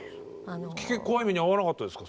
怖い目には遭わなかったですか？